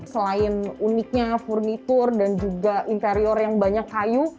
selain uniknya furnitur dan juga interior yang banyak kayu